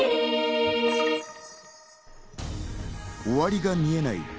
終わりが見えない